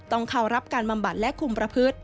ต้องเข้ารับการบำบัดและคุมประพฤติ